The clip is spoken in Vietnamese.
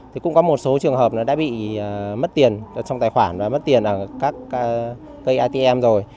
thì cũng có một số trường hợp đã bị mất tiền trong tài khoản và mất tiền ở các cây atm rồi